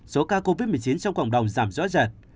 số ca covid một mươi chín trong cộng đồng giảm rõ rệt